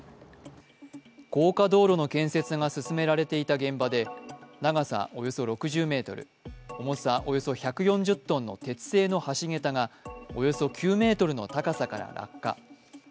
高架道路の建設が進められていた現場で長さおよそ６０ｍ、重さおよそ１４０ｔの鉄製の橋桁がおよそ９ｍの高さから落下。